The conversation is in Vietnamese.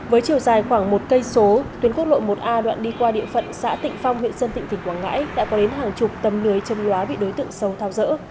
với chiều dài khoảng một km tuyến quốc lộ một a đoạn đi qua địa phận xã tịnh phong huyện sơn tịnh tỉnh quảng ngãi đã có đến hàng chục tầm lười chống lóa bị đối tượng sâu thao rỡ